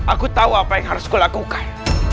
aku tahu apa yang harus kulakukan